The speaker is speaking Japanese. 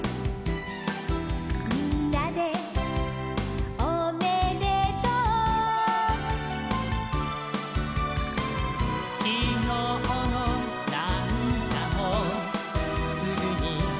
「みんなでおめでとう」「きのうのなみだもすぐに」